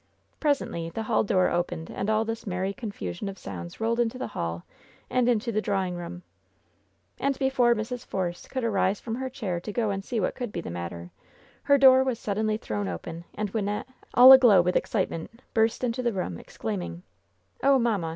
Presently the hall door opened and all this merry con fusion of sounds rolled into the hall and into the draw ing room. And before Mrs. Force could arise from her chair to go and see what could be the matter, her door was sud denly thrown open and Wynnette, all aglow with excite ment, burst into the room, exclaiming: "Oh, mamma